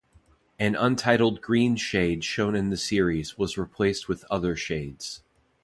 An untitled green shade shown in the series was replaced with other shades.